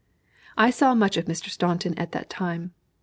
I saw much of Mr. Staunton at that time.